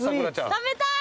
食べたい！